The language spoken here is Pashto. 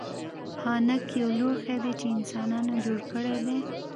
ښانک یو لوښی دی چې انسانانو جوړ کړی دی